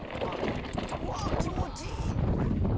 うわっ気持ちいい。